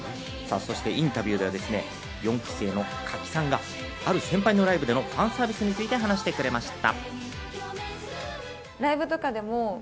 インタビューでは４期生の賀喜さんがある先輩のライブでのファンサービスについて話してくれました。